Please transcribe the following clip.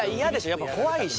やっぱ怖いし。